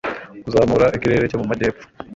Kuzamura ikirere cyo mu majyepfo